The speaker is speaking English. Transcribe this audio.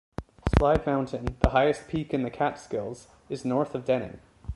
Slide Mountain, the highest peak in the Catskills, is north of Denning.